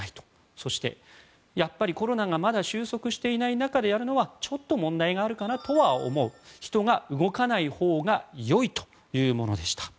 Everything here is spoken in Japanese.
そして、やっぱりコロナがまだ収束していない中でやるのはちょっと問題があるかなとは思う人が動かないほうがよいというものでした。